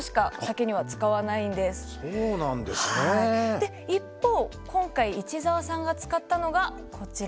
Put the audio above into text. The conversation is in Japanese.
で一方今回市澤さんが使ったのがこちら。